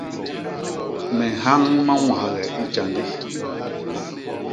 Me nhañ mañwahge i tjandi.